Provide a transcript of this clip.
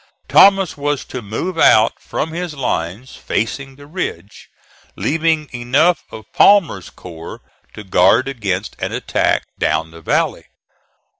Thomas was to move out from his lines facing the ridge, leaving enough of Palmer's corps to guard against an attack down the valley.